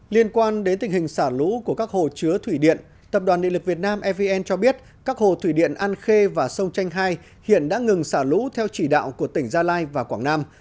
liên quan đến tình hình xả lũ của các hồ chứa thủy điện tập đoàn địa lực việt nam evn cho biết các hồ thủy điện an khê và sông tranh hai hiện đã ngừng xả lũ theo chỉ đạo của tỉnh gia lai và quảng nam